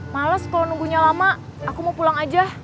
males kalau nunggunya lama aku mau pulang aja